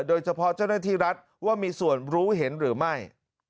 เจ้าหน้าที่รัฐว่ามีส่วนรู้เห็นหรือไม่